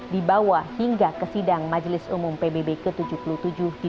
dibawa hingga kesidang majelis umum pbb ke tujuh puluh tujuh di new york amerika serikat